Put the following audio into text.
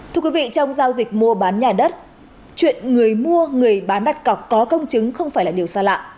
trong giao dịch mua bán nhà đất chuyện người mua người bán đặt cọc có công chứng không phải là điều xa lạ